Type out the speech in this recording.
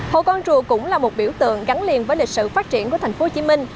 hồ con trù cũng là một biểu tượng gắn liền với lịch sử phát triển của thành phố hồ chí minh